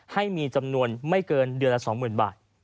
ให้มีจำนวนไม่เกินเดือนละ๒๐๐๐บาท